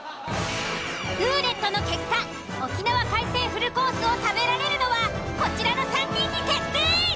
ルーレットの結果沖縄海鮮フルコースを食べられるのはこちらの３人に決定！